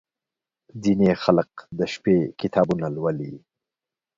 • ځینې خلک د شپې کتابونه لولي.